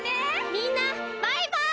みんなバイバイ！